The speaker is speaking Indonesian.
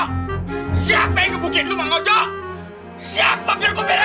pusat dayon ini aki aki udah juur masih aja tidur puasanya aduh bila